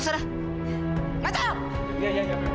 udah masuk sana